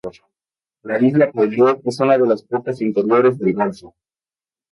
La isla Paulet es una de las pocas interiores del golfo.